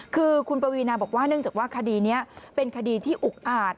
คือคุณปวีนาบอกว่าเนื่องจากว่าคดีนี้เป็นคดีที่อุกอาจ